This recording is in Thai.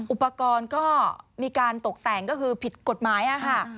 อุปกรณ์ก็มีการตกแต่งก็คือผิดกฎหมายค่ะ